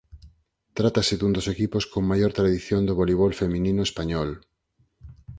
Trátase dun dos equipos con maior tradición do voleibol feminino español.